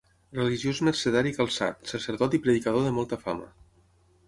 Religiós mercedari calçat, sacerdot i predicador de molta fama.